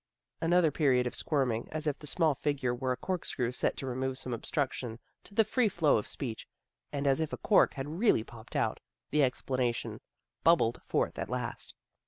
" Another period of squirming, as if the small figure were a corkscrew set to remove some obstruction to the free flow of speech, and as if a cork had really popped out, the explana tion bubbled forth at last.